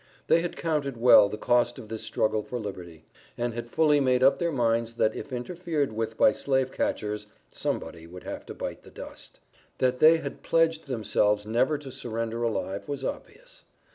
They had counted well the cost of this struggle for liberty, and had fully made up their minds that if interfered with by slave catchers, somebody would have to bite the dust. That they had pledged themselves never to surrender alive, was obvious.